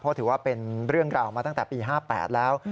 เพราะถือว่าเป็นเรื่องราวมาตั้งแต่ปี๕๘แล้ว